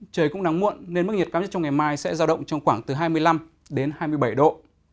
trời cũng nắng muộn nên mức nhiệt cao nhất trong ngày mai sẽ giao động trong khoảng từ hai mươi năm đến hai mươi bảy độ